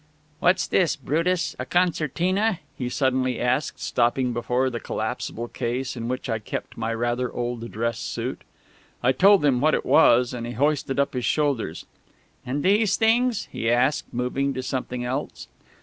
"What's this, Brutus a concertina?" he suddenly asked, stopping before the collapsible case in which I kept my rather old dress suit. I told him what it was, and he hoisted up his shoulders. "And these things?" he asked, moving to something else.